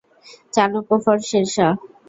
Chanakya for Sher Shah.